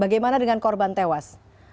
bagaimana dengan korban tewas